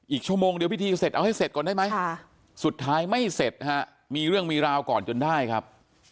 ชั่วโมงเดียวพิธีเสร็จเอาให้เสร็จก่อนได้ไหมสุดท้ายไม่เสร็จฮะมีเรื่องมีราวก่อนจนได้ครับ